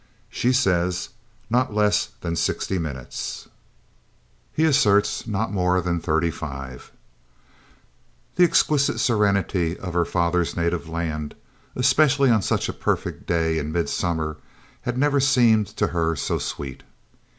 She says, not less than sixty minutes. He asserts, not more than thirty five! The exquisite serenity of her father's native land, especially on such a perfect day in midsummer, had never seemed to her so sweet.